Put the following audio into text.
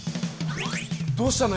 どうしたの？